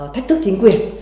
thách thức chính quyền